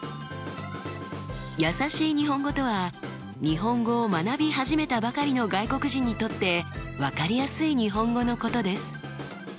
やさしい日本語とは日本語を学び始めたばかりの外国人にとって分かりやすい日本語のことです。